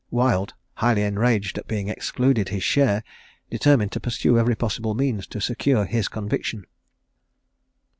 Wild, highly enraged at being excluded his share, determined to pursue every possible means to secure his conviction.